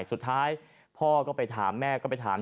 สุดท้ายพ่อก็ไปถามแม่ก็ไปถาม